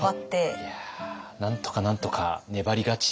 いやあなんとかなんとか粘り勝ち？